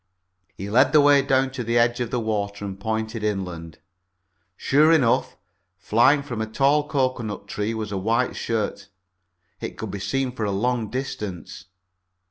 He led the way down to the edge of the water and pointed inland. Sure enough, flying from a tall cocoanut tree was a white shirt. It could be seen for a long distance.